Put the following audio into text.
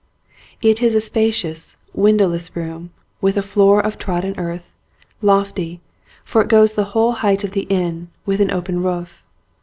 It is a spacious, windowless room, with a floor of trodden earth, lofty, for it goes the whole height of the inn, with an open roof.